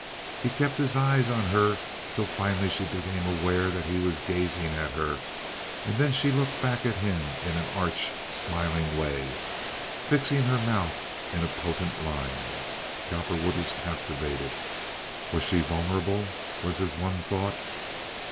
He kept his eyes on her until finally she became aware that he was gazing at her, and then she looked back at him in an arch, smiling way, fixing her mouth in a potent line. Cowperwood was captivated. Was she vulnerable? was his one thought.